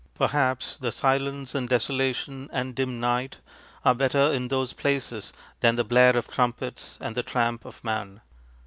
Perhaps the ŌĆ£silence, and desolation, and dim nightŌĆØ are better in those places than the blare of trumpets and the tramp of man.